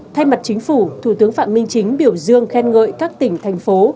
thay mặt chính phủ thủ tướng phạm minh chính biểu dương khen ngợi các tỉnh thành phố